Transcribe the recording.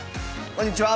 こんにちは！